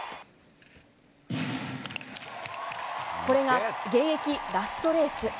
これが現役ラストレース。